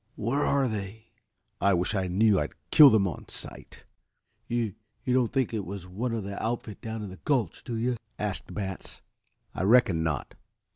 "Where are they?" "I wish I knew. I'd kill them on sight." "You you don't think it was one of the outfit down in the gulch, do you?" asked Batts. "I reckon not.